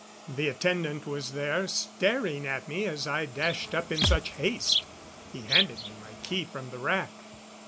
The attendant was there, staring at me as I dashed up in such haste. He handed me my key from the rack.